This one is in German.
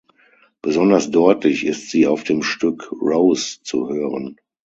Besonders deutlich ist sie auf dem Stück "Rose" zu hören.